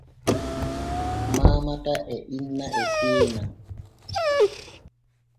Maamata e inna e tenna.